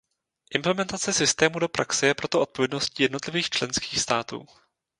Implementace systému do praxe je proto odpovědností jednotlivých členských států.